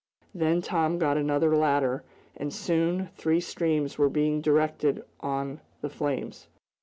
Then Tom got another ladder, and soon three streams were being directed on the flames.